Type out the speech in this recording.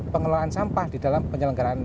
pengelolaan sampah di dalam penyelenggaraan